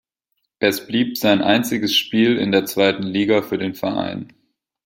Es blieb sein einziges Spiel in der zweiten Liga für den Verein.